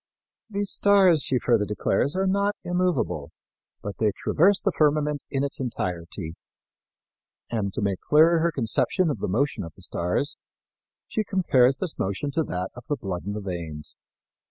These stars, she further declares, are not immovable, but they traverse the firmament in its entirety. And to make clearer her conception of the motion of the stars, she compares this motion to that of the blood in the veins.